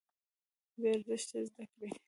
بې ارزښته زده کړې.